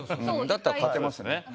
だったら勝てますね。